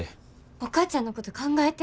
お母ちゃんのこと考えて。